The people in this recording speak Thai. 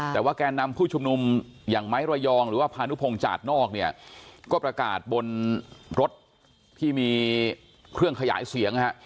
แต่ว่าแกนนำผู้ชุมนุมอย่างไม้ระยองหรือว่าพานุพงศาสนอกเนี่ยก็ประกาศบนรถที่มีเครื่องขยายเสียงนะฮะ